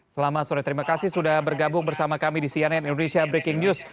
selamat sore terima kasih sudah bergabung bersama kami di cnn indonesia breaking news